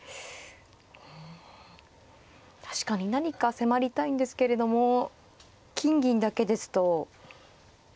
うん確かに何か迫りたいんですけれども金銀だけですと。